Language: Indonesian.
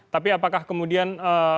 tapi apakah kemudian